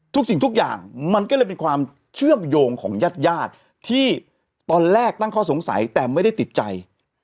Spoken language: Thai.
สิ่งทุกอย่างมันก็เลยเป็นความเชื่อมโยงของญาติญาติที่ตอนแรกตั้งข้อสงสัยแต่ไม่ได้ติดใจ